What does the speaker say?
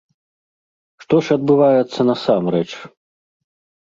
Што ж адбываецца насамрэч?